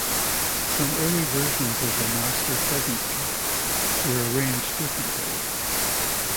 Some early versions of the "Master Pheasant Cap" were arranged differently.